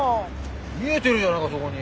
見えてるじゃないかそこに。